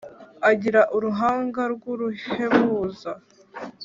Agira uruhanga rw'uruhebuza,